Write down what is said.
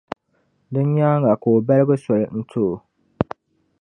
Din nyaaŋa ka O balgi soli n-ti o.